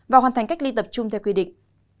và hoàn thành cách ly tập trung theo quy định